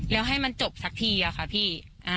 แล้วให้มันจบสักทีอะค่ะพี่